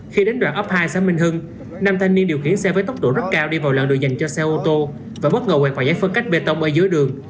khi đến đoạn ấp hai xã minh hưng năm thanh niên điều khiển xe với tốc độ rất cao đi vào loạn đồ dành cho xe ô tô và bất ngờ quẹt quả giấy phân cách bê tông ở dưới đường